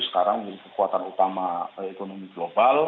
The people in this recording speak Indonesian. sekarang menjadi kekuatan utama ekonomi global